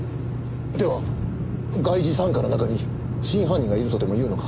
では外事三課の中に真犯人がいるとでもいうのか？